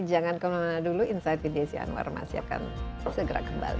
jangan kemana mana dulu insight with desi anwar masih akan segera kembali